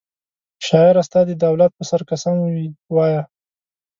شاعره ستا دي د اولاد په سر قسم وي وایه